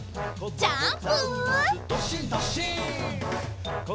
ジャンプ！